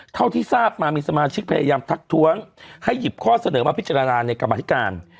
เท่าที่ทราบมามีสมาชิกพยายามทักท้วงให้หยิบข้อเสนอมาพิจารณาในกรรมธิการ